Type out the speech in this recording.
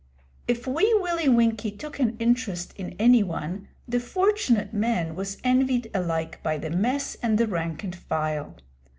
If Wee Willie Winkie took an interest in any one, the fortunate man was envied alike by the mess and the rank and file.